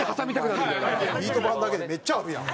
ビート板だけでめっちゃあるやん。